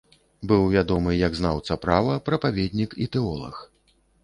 Быў вядомы як знаўца права, прапаведнік і тэолаг.